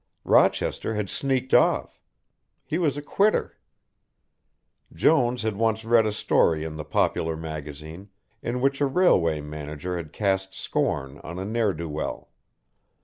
Rochester had sneaked off. He was a quitter. Jones had once read a story in the Popular Magazine, in which a Railway Manager had cast scorn on a ne'er do well.